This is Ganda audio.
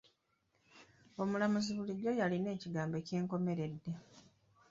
Omulamuzi bulijjo y'alina ekigambo eky'enkomeredde.